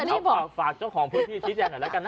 เอาฝากเจ้าของพวกพี่ทิจแจหน่อยแล้วกันนะ